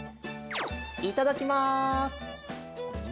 いただきます。